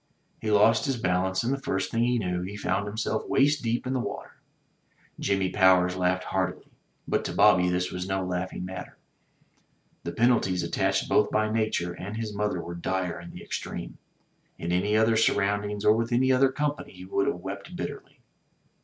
He lost his balance, and the first thing he knew, he found himself waist deep in the water. Jimmy Powers laughed heartily; but to Bobby this was no laughing matter. The penalties attached both by nature, and his mother were dire in the extreme. In any other surroundings or with any other company he would have wept bitterly.